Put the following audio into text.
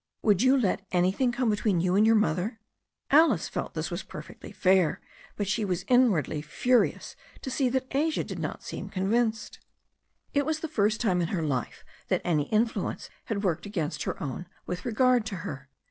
Would you let any thing come between you and your mother?" Alice felt this was perfectly fair, but she was inwardly furious to see that Asia did not seem convinced. It was the first time in her life that any influence had worked against her own with regard to her.